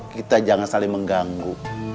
kita jangan saling mengganggu